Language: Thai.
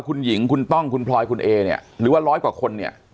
คุณหญิงคุณต้องคุณพลอยคุณเอเนี่ยหรือว่าร้อยกว่าคนเนี่ย